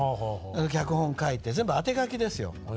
脚本を書いて全部当て書きですよ。